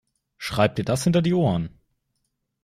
Schreib dir das hinter die Ohren!